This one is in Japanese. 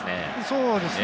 そうですね。